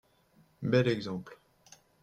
Bel exemple